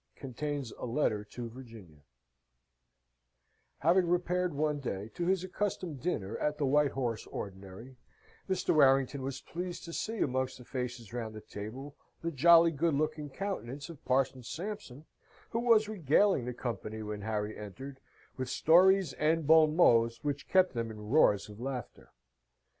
Contains a Letter to Virginia Having repaired one day to his accustomed dinner at the White Horse ordinary, Mr. Warrington was pleased to see amongst the faces round the table the jolly, good looking countenance of Parson Sampson, who was regaling the company when Harry entered, with stories and bons mots, which kept them in roars of laughter.